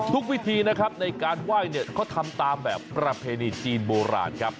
วิธีนะครับในการไหว้เนี่ยเขาทำตามแบบประเพณีจีนโบราณครับ